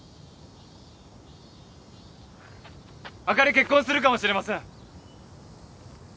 あかり結婚するかもしれません。